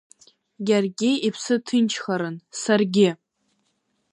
Иаргьы иԥсы ҭынчхарын, саргьы…